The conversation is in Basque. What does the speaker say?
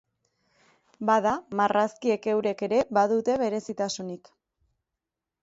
Bada, marrazkiek eurek ere badute berezitasunik.